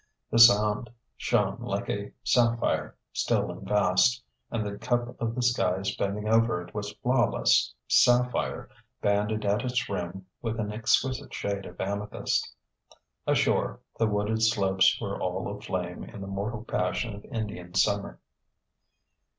The Sound shone like a sapphire, still and vast, and the cup of the skies bending over it was flawless sapphire banded at its rim with an exquisite shade of amethyst. Ashore, the wooded slopes were all aflame in the mortal passion of Indian summer.